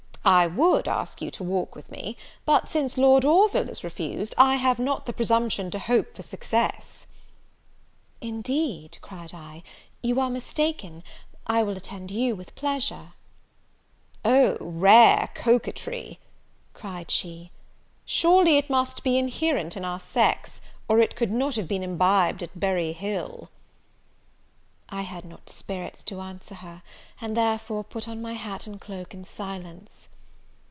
I would ask you to walk with me; but since Lord Orville is refused, I have not the presumption to hope for success." "Indeed," cried I, "you are mistaken; I will attend you with pleasure." "O rare coquetry!" cried she, "surely it must be inherent in our sex, or it could not have been imbibed at Berry Hill." I had not spirits to answer her, and therefore put on my hat and cloak in silence.